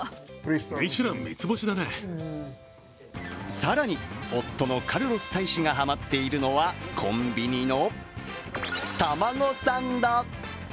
更に、夫のカルロス大使がハマっているのがコンビニのたまごサンド。